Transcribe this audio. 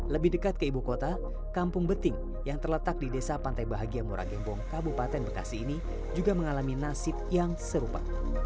lebih dekat ke ibu kota kampung beting yang terletak di desa pantai bahagia muragembong kabupaten bekasi ini juga mengalami nasib yang serupa